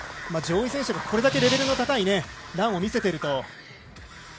上位選手がこれだけレベルの高いランを見せていると。